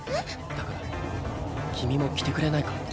だから君も着てくれないか？